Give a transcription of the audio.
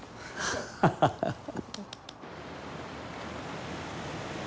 ハハハハ。